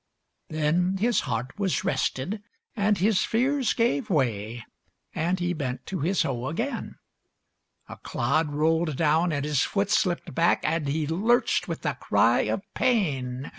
Then his heart was rested, and his fears gave way, And he bent to his hoe again.... A clod rolled down, and his foot slipped back, And he lurched with a cry of pain.